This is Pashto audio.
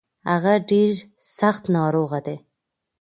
هغه ډير سځت ناروغه دی.